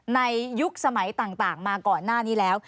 ยุคสมัยต่างมาก่อนหน้านี้แล้ว